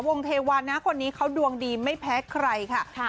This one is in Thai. เทวันนะคนนี้เขาดวงดีไม่แพ้ใครค่ะ